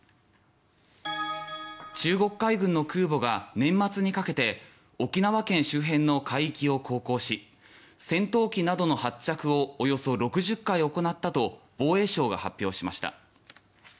中国海軍の空母が年末にかけて沖縄県周辺の海域を航行し戦闘機などの発着をおよそ６０回行ったと防衛省が発表しました。